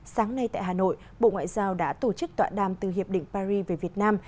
sáng nay tại hà nội bộ ngoại giao đã tổ chức tọa đàm từ hiệp định paris về việt nam